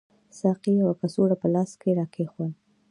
ساقي یوه کڅوړه په لاس کې راکېښودل.